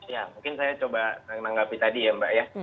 ya mungkin saya coba menanggapi tadi ya mbak ya